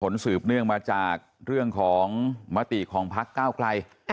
สืบเนื่องมาจากเรื่องของมติของพักก้าวไกล